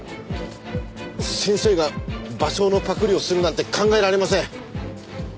先生が芭蕉のパクリをするなんて考えられません！